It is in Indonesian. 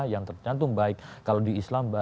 yang tercantum baik kalau di islam